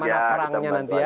bagaimana perangnya nanti ya